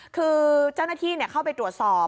คือเจ้าหน้าที่เข้าไปตรวจสอบ